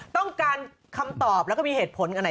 ต้องการคำตอบและมีเหตุผลค่ะ